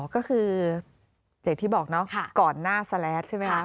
ก็คืออย่างที่บอกน่ะผ่านก่อนหน้าสแลทใช่ไหมครับ